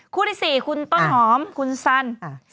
ที่๔คุณต้นหอมคุณสัน